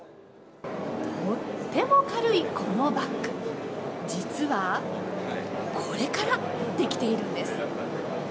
とっても軽いこのバッグ実はこれからできているんです。